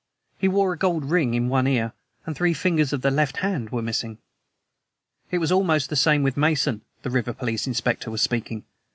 He wore a gold ring in one ear, and three fingers of the left hand were missing. "It was almost the same with Mason." The river police inspector was speaking.